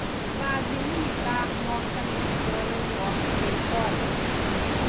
base militar norte-americana em nosso território